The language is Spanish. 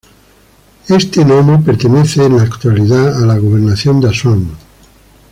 Este nomo pertenece en la actualidad a la gobernación de Asuán.